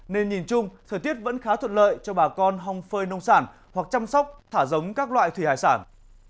nên nhìn chung thời tiết vẫn khá thuận lợi cho bà con hòng phơi nông sản hoặc chăm sóc thả giống các loại thủy hải sản